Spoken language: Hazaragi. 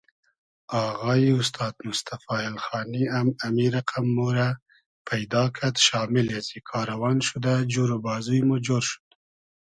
آغایی اوستاد موستئفا اېلخانی ام امی رئقئم مورۂ پݷدا کئد شامیلی ازی کاروان شودۂ جور و بازوی مۉ جۉر شود